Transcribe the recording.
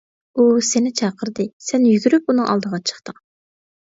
ئۇ سېنى چاقىردى، سەن يۈگۈرۈپ ئۇنىڭ ئالدىغا چىقتىڭ.